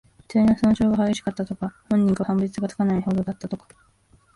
遺体の損傷が激しかった、とか。本人か判別がつかないほどだった、とか。